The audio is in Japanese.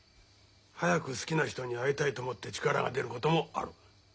早く好きな人に会いたいと思って力が出ることもある。